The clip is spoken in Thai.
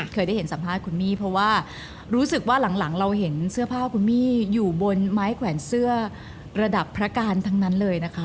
เคยได้เห็นสัมภาษณ์คุณมี่เพราะว่ารู้สึกว่าหลังเราเห็นเสื้อผ้าคุณมี่อยู่บนไม้แขวนเสื้อระดับพระการทั้งนั้นเลยนะคะ